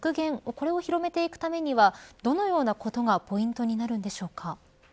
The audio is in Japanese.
これを広めていくためにはどのようなことがポイントになるのでしょうか。